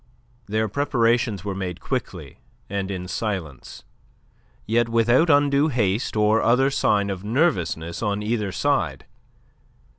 Their preparations were made quickly and in silence, yet without undue haste or other sign of nervousness on either side.